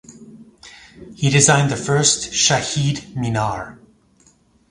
He designed the first Shaheed Minar.